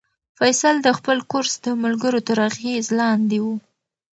فیصل د خپل کورس د ملګرو تر اغېز لاندې و.